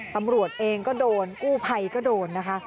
ตำรวจเองก็โดนกู้ภัยก็โดนนะคะ